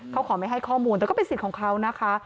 เขาขอไม่ให้ข้อมูลแต่ก็เป็นสิทธิ์ของเขานะคะ